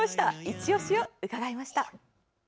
いちオシを伺いました。